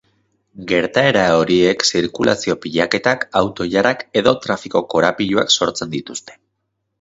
Gertaera horiek zirkulazio pilaketak, auto-ilarak edo trafiko-korapiloak sortzen dituzte.